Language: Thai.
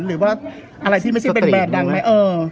หรือว่าอะไรที่ไม่ใช่แบรนดดังไหม